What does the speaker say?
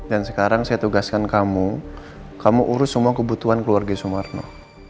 dan sekarang saya tugaskan kamu kamu urus semua kebutuhan keluarga sumarno